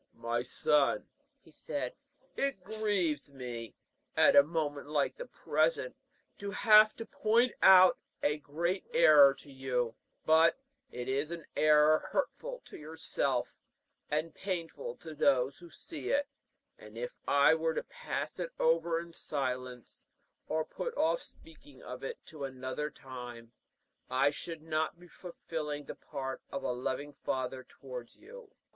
"My son," he said, "it grieves me, at a moment like the present, to have to point out a great error to you; but it is an error hurtful to yourself and painful to those who see it, and if I were to pass it over in silence, or put off speaking of it to another time, I should not be fulfilling the part of a loving father towards you."